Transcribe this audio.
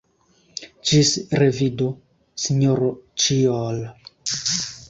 Ĝis revido, Sinjoro Ĉiol!